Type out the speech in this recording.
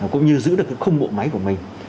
cũng như giữ được cái khung bộ máy của mình